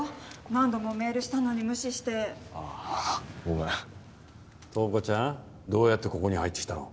何度もメールしたのに無視してああごめん東子ちゃんどうやってここに入ってきたの？